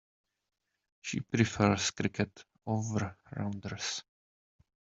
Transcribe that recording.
She prefers cricket over rounders.